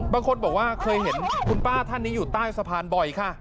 บางคนบอกว่าเคยเห็นคุณป้าท่านนี้อยู่ใต้สะพานบ่อยค่ะ